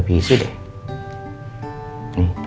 kami masih pessimim